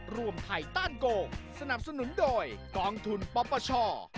รวมไทตานโกสนับสนุนโดยกองทุนป๊อปป้าช่อ